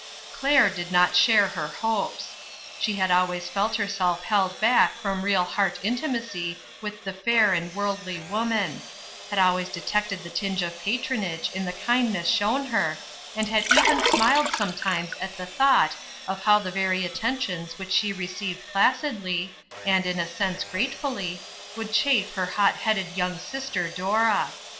Claire did not share her hopes. She had always felt herself held back from real heart intimacy with the fair and worldly woman ; had always detected the tinge of patronage in the kindness shown her, and had even smiled sometimes at the thought of how the very at tentions which she received placidly, and, in a sense gratefully, would chafe her hot headed young sister Dora.